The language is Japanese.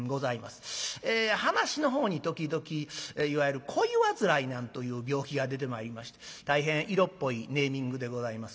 噺のほうに時々いわゆる「恋煩い」なんという病気が出てまいりまして大変色っぽいネーミングでございます